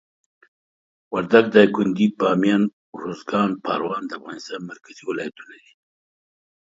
وردګ، دایکندي، بامیان، اروزګان، پروان د افغانستان مرکزي ولایتونه دي.